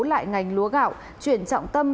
lại ngành lúa gạo chuyển trọng tâm